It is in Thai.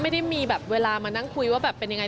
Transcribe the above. ไม่ได้มีเวลามานั่งคุยว่าเป็นอย่างไร